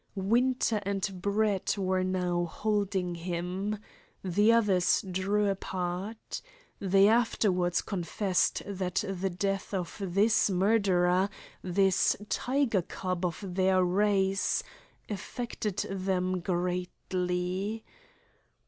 Winter and Brett were now holding him. The others drew apart. They afterwards confessed that the death of this murderer, this tiger cub of their race, affected them greatly.